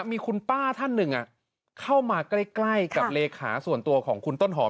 มีคุณป้าท่านหนึ่งเข้ามาใกล้กับเลขาส่วนตัวของคุณต้นหอม